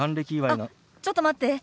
あっちょっと待って。